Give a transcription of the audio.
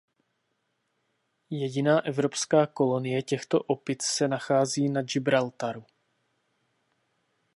Jediná evropská kolonie těchto opic se nachází na Gibraltaru.